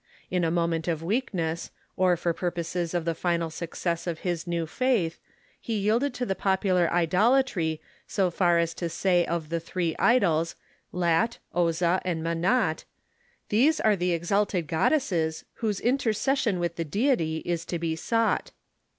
In a moment of weakness, or for pur poses of the final success of his new faith, he yielded to the popular idolatry so far as to say of the three idols, Lat, Ozza, and Manat :" These are the exalted goddesses Avhose inter cession with the Deity is to be sought."